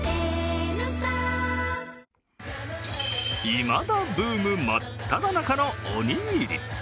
いまだブーム真っただ中のおにぎり。